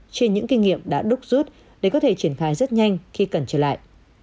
trên những kinh nghiệm đã đúc rút để có thể triển khai rất nhanh khi cần trở lại